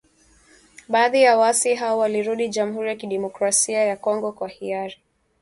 Baadhi ya waasi hao walirudi Jamhuri ya kidemokrasia ya Kongo kwa hiari.